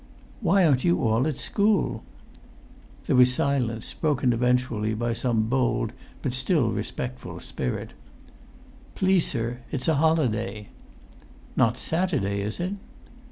"Why aren't you all at school?" There was silence, broken eventually by some bold but still respectful spirit. "Please, sir, it's a holiday." "Not Saturday, is it?"